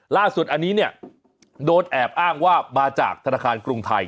ล่าสุดอันนี้เนี่ยโดนแอบอ้างว่ามาจากธนาคารกรุงไทย